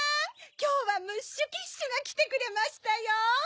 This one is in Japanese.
・・きょうはムッシュ・キッシュがきてくれましたよ